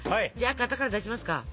じゃあ型から出しますか。